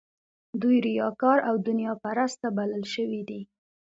دوی ریاکار او دنیا پرسته بلل شوي دي.